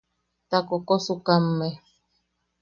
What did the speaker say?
Ta koʼokosukamme.